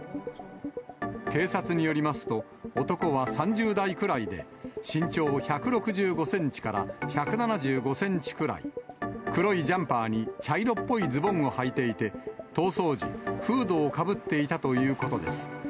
警察によりますと、男は３０代くらいで、身長１６５センチから１７５センチくらい、黒いジャンパーに茶色っぽいズボンをはいていて、逃走時、フードをかぶっていたということです。